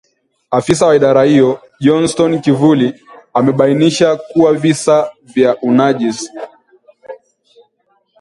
Afisa wa idara hiyo Johnstone Kivuli amebainisha kuwa visa vya unajisi